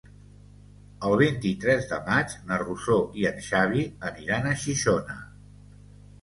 El vint-i-tres de maig na Rosó i en Xavi aniran a Xixona.